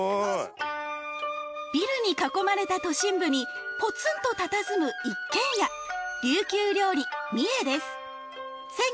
ビルに囲まれた都心部にポツンとたたずむ一軒家琉球料理美です